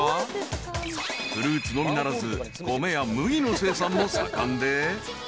［フルーツのみならず米や麦の生産も盛んで］